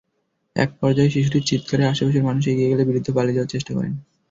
একপর্যায়ে শিশুটির চিৎকারে আশপাশের মানুষ এগিয়ে এলে বৃদ্ধ পালিয়ে যাওয়ার চেষ্টা করেন।